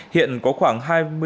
hiện có khoảng hai mươi